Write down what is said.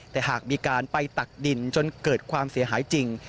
แต่หากมีการไปตักดินจนเกิดความเสียหายจริง